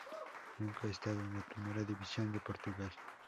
Nunca ha estado en la Primera División de Portugal.